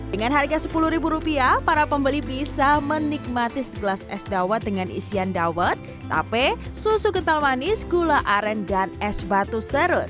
dengan harga sepuluh rupiah para pembeli bisa menikmati sebelas es dawet dengan isian dawet tape susu kental manis gula aren dan es batu serut